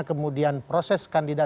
bukan untuk menjatuhkan itu